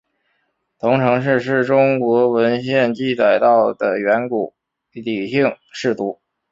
彤城氏是中国文献记载到的远古姒姓氏族。